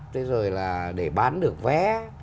thế rồi là để bán được vé